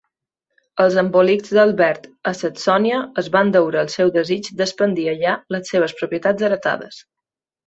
Els embolics d'Albert a Saxònia es van deure al seu desig d'expandir allà les seves propietats heretades.